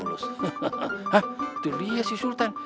itu dia si sultan